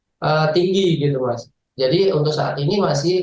jadi untuk saat ini masih di kategori moderat sampai akhir tahun nanti